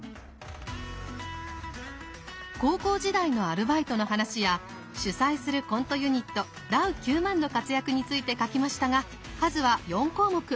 高校時代のアルバイトの話や主宰するコントユニットダウ９００００の活躍について書きましたが数は４項目。